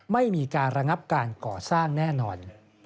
ไม่มีการระงับการก่อสร้างแน่นอน